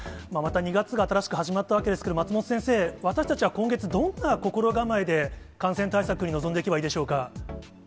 また２月が新しく始まったわけですけれども、松本先生、私たちは今月、どんな心構えで感染対策に臨んでいけばいいでしょうか。